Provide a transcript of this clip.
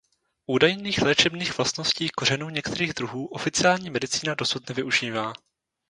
Údajných léčebných vlastností kořenů některých druhů oficiální medicína dosud nevyužívá.